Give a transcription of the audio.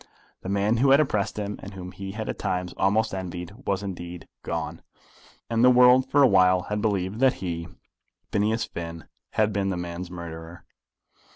The man who had oppressed him, and whom he had at times almost envied, was indeed gone, and the world for awhile had believed that he, Phineas Finn, had been the man's murderer!